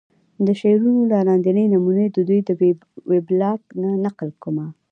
د شعرونو دا لاندينۍ نمونې ددوې د وېبلاګ نه نقل کومه